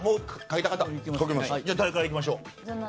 誰からいきましょうか。